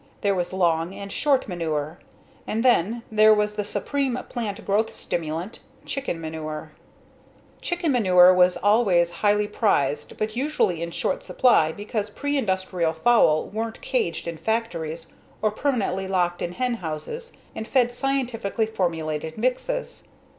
There was "long" and "short" manure, and then, there was the supreme plant growth stimulant, chicken manure. Chicken manure was always highly prized but usually in short supply because preindustrial fowl weren't caged in factories or permanently locked in hen houses and fed scientifically formulated mixes.